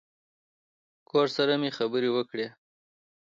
کور سره مې خبرې وکړې.